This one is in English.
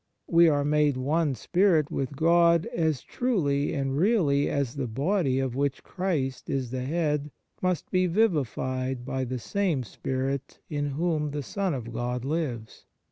We are made one spirit with God as truly and really as the Body of which Christ is the Head must be vivified by the same Spirit in whom the Son of God lives.